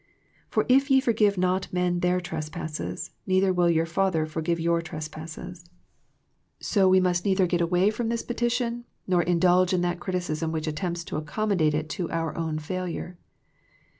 " For if ye forgive not men their trespasses, neither will your Father forgive your trespasses." So we must neither get away 96 THE PEAOTICE OF PRAYEK from this petition, nor indulge in that criticism which attempts to accommodate it to our own failure.